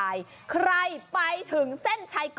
อันนี้คือมวยทะเลถูกต้องแล้วนะครับ